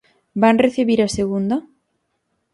Van recibir a segunda?